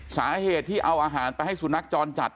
สาเหตุที่เอาอาหารไปให้สุนัขจรจัด